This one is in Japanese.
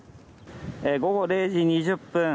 午後０時２０分。